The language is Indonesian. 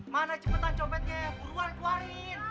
mana cepetan copetnya buruan keluarin